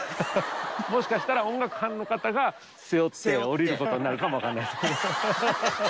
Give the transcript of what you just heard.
もしかしたら、音楽班の方が背負って下りることになるかもわからないです。